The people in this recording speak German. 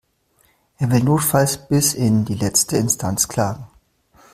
Er will notfalls bis in die letzte Instanz klagen.